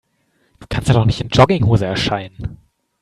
Du kannst da doch nicht in Jogginghose erscheinen.